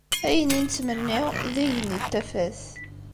Ayen i nettmenni d igenni n tafat.